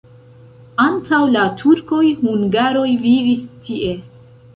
Antaŭ la turkoj hungaroj vivis tie.